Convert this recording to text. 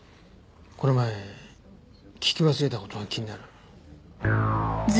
この前聞き忘れた事が気になる。